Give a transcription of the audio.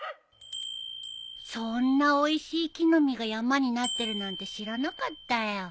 そんなおいしい木の実が山になってるなんて知らなかったよ。